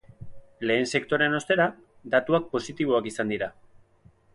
Lehen sektorean, ostera, datuak positiboak izan dira.